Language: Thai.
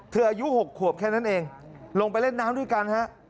อายุ๖ขวบแค่นั้นเองลงไปเล่นน้ำด้วยกันฮะ